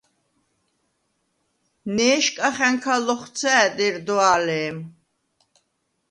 ნე̄შკახა̈ნქა ლოხვცა̄̈დ ერდვა̄ლე̄მ: